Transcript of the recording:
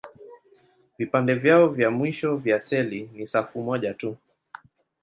Vipande vyao vya mwisho vya seli ni safu moja tu.